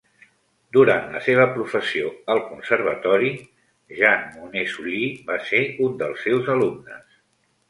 Durant la seva professió al Conservatori, Jean Mounet-Sully va ser un dels seus alumnes.